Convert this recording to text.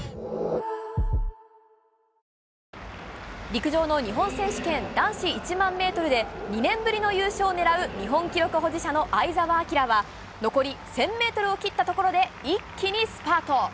陸上の日本選手権、男子１００００メートルで２年ぶりの優勝をねらう日本記録保持者の相澤晃は、残り１０００メートルを切った所で、一気にスパート。